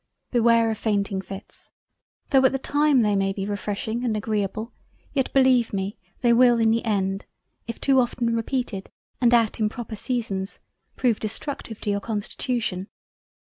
Beware of fainting fits... Though at the time they may be refreshing and agreable yet beleive me they will in the end, if too often repeated and at improper seasons, prove destructive to your Constitution...